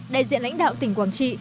đại diện lãnh đạo tỉnh quảng trị